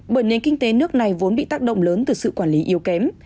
bởi nền kinh tế nước này vốn bị tác động lớn từ sự quản lý yếu kém